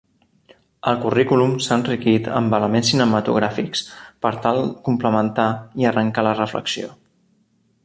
El currículum s'ha enriquit amb elements cinematogràfics per tal complementar i arrencar la reflexió.